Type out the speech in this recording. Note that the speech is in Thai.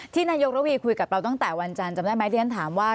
นายกระวีคุยกับเราตั้งแต่วันจันทร์จำได้ไหมที่ฉันถามว่า